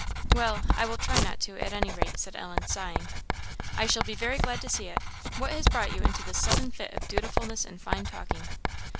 "Well, I will try not to, at any rate," said Ellen, sighing. "I shall be very glad to see it. What has brought you into this sudden fit of dutifulness and fine talking?"